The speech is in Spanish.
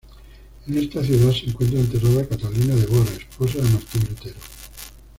En esta ciudad se encuentra enterrada Catalina de Bora, esposa de Martín Lutero.